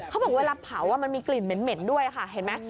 เขาบอกเวลาเผามันมีกลิ่นเหม็นด้วยค่ะเห็นไหม